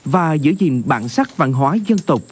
và giữ gìn bản sắc văn hóa dân tộc